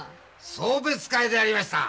送別会でありました。